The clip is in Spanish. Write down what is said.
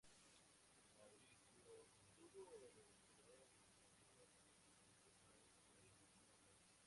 Maurizio obtuvo del emperador bizantino consentimiento para este último acto.